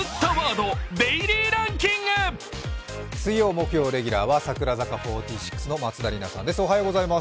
水曜、木曜レギュラーは櫻坂４６の松田里奈さんです